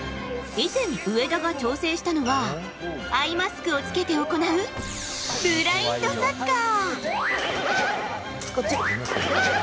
以前、上田が挑戦したのはアイマスクを着けて行うブラインドサッカー。